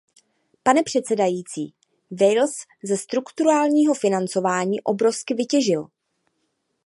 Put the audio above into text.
Pane předsedající, Wales ze strukturálního financování obrovsky vytěžil.